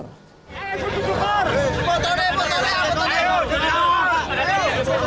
eh sujud syukur